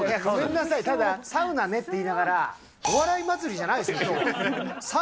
ごめんなさい、ただ、サウナねって言いながら、お笑い祭りじゃないですよね、きょう。